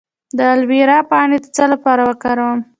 د الوویرا پاڼې د څه لپاره وکاروم؟